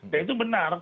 dan itu benar